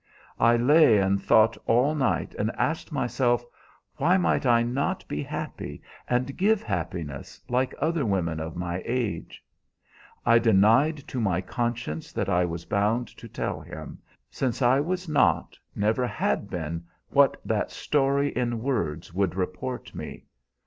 I lay and thought all night, and asked myself, why might I not be happy and give happiness, like other women of my age. I denied to my conscience that I was bound to tell him, since I was not, never had been, what that story in words would report me.